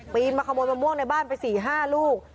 ปีนมาขโมยมะม่วงในบ้านไปสี่ห้าลูก